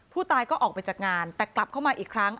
ผู้ตายก็ออกไปจากงานแต่กลับเข้ามาอีกครั้ง